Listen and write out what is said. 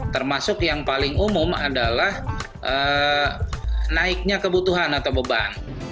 termasuk yang paling umum adalah naiknya kebutuhan atau beban